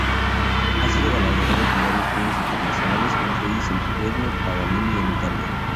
Ha sido galardonado con varios premios internacionales, entre ellos el Premio Paganini en Italia.